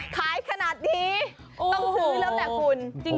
ขายขนาดนี้ต้องซื้อแล้วแหละคุณ